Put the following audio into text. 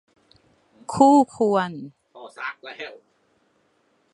คู่ควร